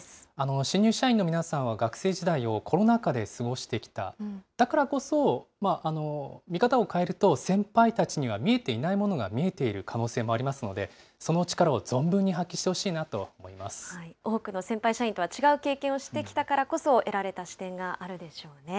新入社員の皆さんは学生時代をコロナ禍で過ごしてきた、だからこそ、見方を変えると先輩達には見えていないものが見えている可能性もありますので、その力を存分に発揮してほしいなと思いま多くの先輩社員とは違う経験をしてきたからこそ得られた視点があるでしょうね。